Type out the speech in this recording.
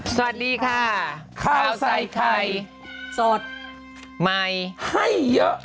สวัสดีค่ะข้าวใส่ไข่สดใหม่ให้เยอะ